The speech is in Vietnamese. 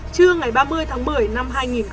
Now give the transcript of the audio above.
trưa ngày ba mươi tháng một mươi năm hai nghìn hai mươi